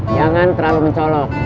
jangan terlalu mencolok